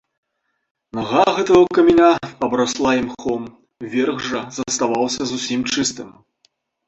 Нага гэтага каменя абрасла імхом, верх жа аставаўся зусім чыстым.